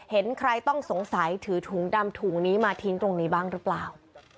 เห็นใครต้องสงสัยถือถุงดำถุงนี้มาทิ้งตรงนี้บ้างหรือเปล่า